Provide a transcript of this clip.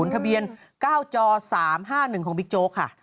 ทะเบียน๙จ๓๕๑ของบิ๊กโจ๊กค่ะ